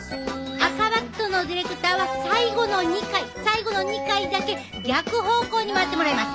赤バットのディレクターは最後の２回最後の２回だけ逆方向に回ってもらいます！